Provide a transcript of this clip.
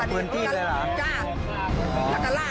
สวัสดีครับ